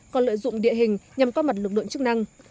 còn lợi dụng địa hình nhằm có mặt lực lượng chức năng